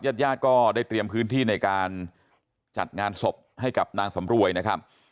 ญาติญาติก็ได้เตรียมพื้นที่ในการจัดงานศพให้กับนางสำรวยนะครับ